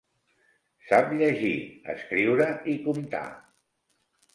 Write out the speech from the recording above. Sap llegir, escriure i comptar.